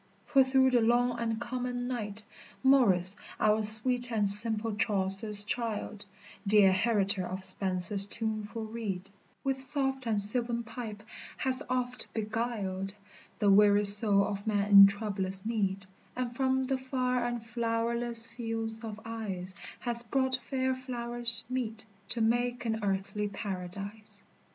for through the long and common night, Morris, our sweet and simple Chaucer's child, Dear heritor of Spenser's tuneful reed, With soft and sylvan pipe has oft beguiled The weary soul of man in troublous need, And from the far and flowerless fields of ice Has brought fair flowers meet to make an earthly paradise.